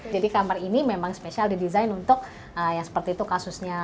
jadi kamar ini memang special di design untuk yang seperti itu kasusnya